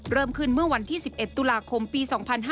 เริ่มขึ้นเมื่อวันที่๑๑ตุลาคมปี๒๕๕๙